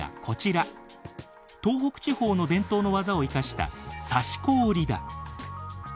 東北地方の伝統の技を生かした刺し子織だ。